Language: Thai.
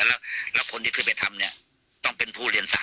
เอาไปหยิบไปด้วยเหรอครับ